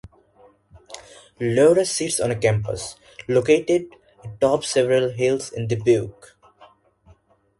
Loras sits on a campus located atop several hills in Dubuque.